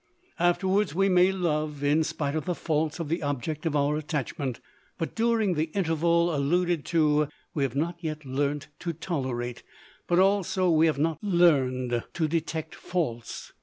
Afterwards we may love, in spite of the faults of the object of our attachment ; but during the interval alluded to, we have not yet learnt to tolerate, but also, we have not learned to detect faults.